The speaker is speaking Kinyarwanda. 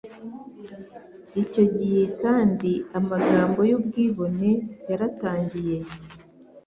Icyo gihe kandi amagambo y'ubwibone yaratangiye